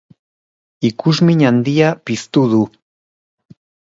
Ikusmin handia piztu du.